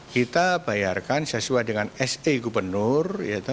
kita bayarkan sesuai dengan se gubernur